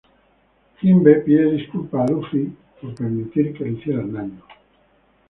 Jinbe pide disculpas a Luffy por permitir que le hicieran daño.